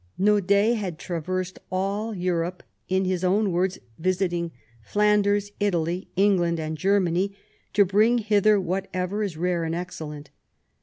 Naud^ had tra versed all Europe, in his own words visiting " Flanders, Italy, England, and Germany, to bring hither whatever is rare and excellent."